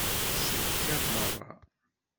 Tsellek-aɣ merra.